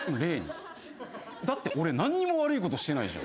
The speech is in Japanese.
だって俺何にも悪いことしてないじゃん。